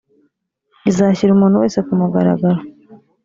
izashyira umuntu wese ku mugaragaro